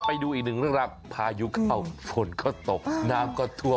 ไปดูอีกหนึ่งเรื่องราวพายุเข้าฝนก็ตกน้ำก็ท่วม